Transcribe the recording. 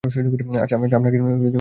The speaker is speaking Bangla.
আর আপনার জ্ঞান নিজের কাছেই রাখুন।